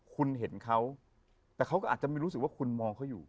คุณเห็นเขาแต่เขาก็อาจจะไม่รู้สึกว่าคุณมองเขาอยู่